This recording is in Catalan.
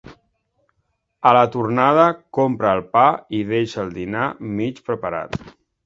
A la tornada compra el pa i deixa el dinar mig preparat.